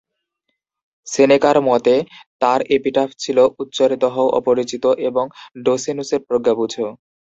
সেনেকার মতে তার এপিটাফ ছিল: "উচ্চারিত হও, অপরিচিত, এবং ডসেনুসের প্রজ্ঞা বুঝ"।